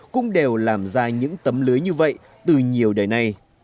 cũng đều làm ra những tấm lưới như vậy từ nhiều đời nay